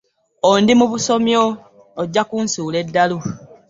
Ondi mu busomyo ojja kunsuula eddalu.